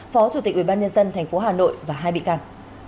phó chủ tịch ubnd tp hà nội và hai bị can